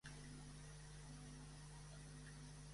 Demà en Joan i en Pol volen anar a Santa Eulària des Riu.